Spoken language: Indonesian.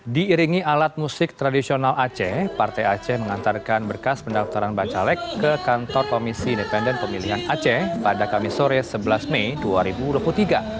diiringi alat musik tradisional aceh partai aceh mengantarkan berkas pendaftaran bacalek ke kantor komisi independen pemilihan aceh pada kamis sore sebelas mei dua ribu dua puluh tiga